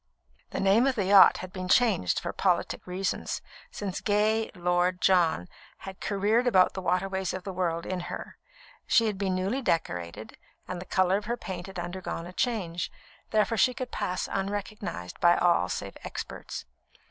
The name of the yacht had been changed, for politic reasons, since gay Lord John had careered about the waterways of the world in her; she had been newly decorated, and the colour of her paint had undergone a change, therefore she could pass unrecognised by all save experts.